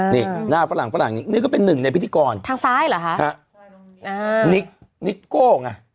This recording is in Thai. นี่หน้าฝรั่งฝรั่งนี้นี่ก็เป็นหนึ่งในพิธีกรทางซ้ายเหรอคะนิกนิกโก้ไง